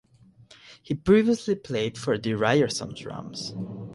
He previously played for the Ryerson Rams.